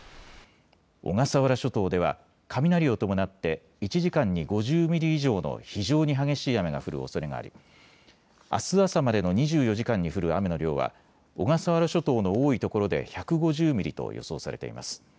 小笠原諸島では雷を伴って１時間に５０ミリ以上の非常に激しい雨が降るおそれがありあす朝までの２４時間に降る雨の量は小笠原諸島の多いところで１５０ミリと予想されています。